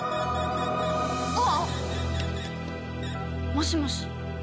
もしもし。